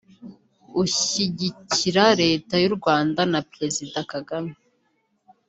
ushyigikira Leta y’u Rwanda na Perezida Kagame